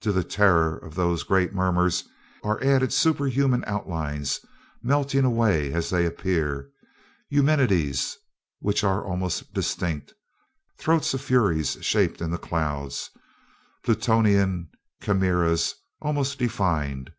To the terror of those great murmurs are added superhuman outlines melting away as they appear Eumenides which are almost distinct, throats of Furies shaped in the clouds, Plutonian chimeras almost defined.